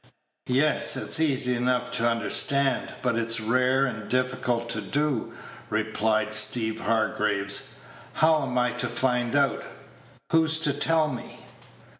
"Yes; it's easy enough to understand, but it's rare and difficult to do," replied Steeve Hargraves. "How am I to find out? Who's to tell me?"